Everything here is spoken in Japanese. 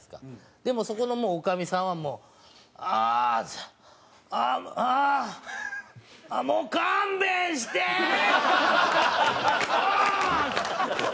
でもそこの女将さんはもう「ああああもう勘弁して！」。ハハハハ！